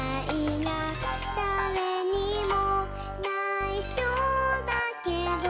「だれにもないしょだけど」